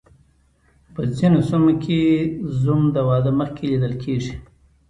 په ځینو سیمو کې زوم د واده مخکې لیدل کیږي.